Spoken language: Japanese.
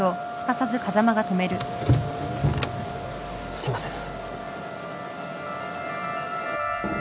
すいません。